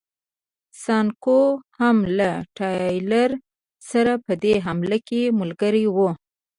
سانکو هم له ټایلر سره په دې حمله کې ملګری و.